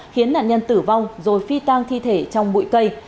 khiến nạn nhân tử vong rồi phi tang thi thể trong bụi cây